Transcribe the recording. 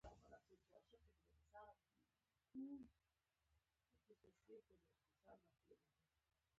لعل د افغانستان د بشري فرهنګ برخه ده.